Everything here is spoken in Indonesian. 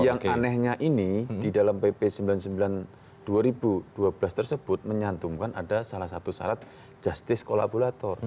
yang anehnya ini di dalam pp sembilan puluh sembilan dua ribu dua belas tersebut menyantumkan ada salah satu syarat justice kolaborator